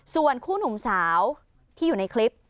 ส่วนคู่หนุ่มสาวที่อยู่ในคลิป